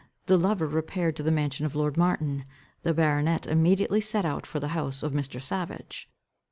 The lover repaired to the mansion of Lord Martin. The baronet immediately set out for the house of Mr. Savage.